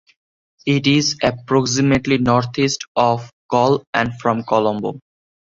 It is approximately northeast of Galle and from Colombo.